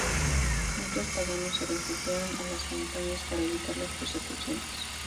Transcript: Muchos paganos se refugiaron a las montañas para evitar las persecuciones.